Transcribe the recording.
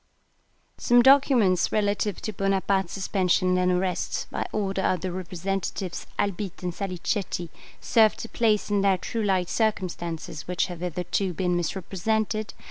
Some documents relative to Bonaparte's suspension and arrest, by order of the representatives Albitte and Salicetti, serve to place in their true light circumstances which have hitherto been misrepresented.